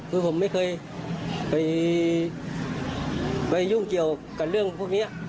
คือผมไม่เคยไปยุ่งเกี่ยวกับเรื่องพวกนี้